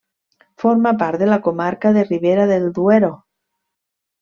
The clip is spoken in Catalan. Forma part de la comarca de Ribera del Duero.